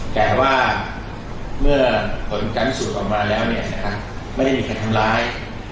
แต่ว่าเมื่อผลการพิสูจน์ออกมาแล้วไม่ได้มีใครทำร้าย